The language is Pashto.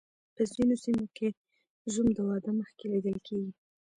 په ځینو سیمو کې زوم د واده مخکې لیدل کیږي.